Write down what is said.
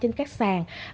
trên các sàn